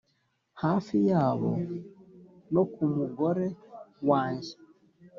hafi yabo no ku mugore wanjye,